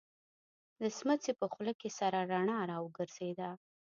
د سمڅې په خوله کې سره رڼا را وګرځېده.